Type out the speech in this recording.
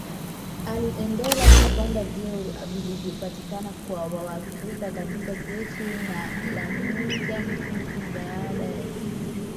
Aliendela kupanda vyeo vilivyopatikana kwa Waafrika katika jeshi la na muda mfupi baada ya